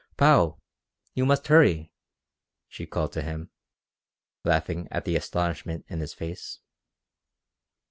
"Pao! you must hurry!" she called to him, laughing at the astonishment in his face.